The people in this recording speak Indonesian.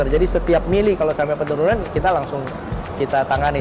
jadi setiap mili sampai penurunan kami langsung tangani